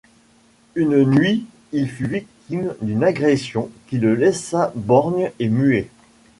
Une nuit, il fut victime d'une agression qui le laissa borgne et muet.